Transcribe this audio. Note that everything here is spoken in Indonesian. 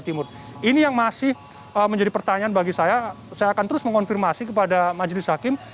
timur ini yang masih menjadi pertanyaan bagi saya saya akan terus mengonfirmasi kepada majelis hakim